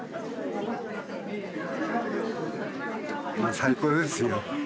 最高ですよ。